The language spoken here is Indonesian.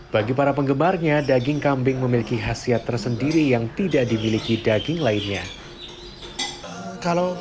bagi para penggemarnya daging kambing memiliki khasiat tersendiri yang tidak dimiliki daging lainnya